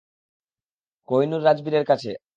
কোহিনূর রাজবীরের কাছে।